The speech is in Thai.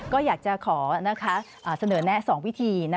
ก็อยากจะขอเสนอแนะ๒วิธี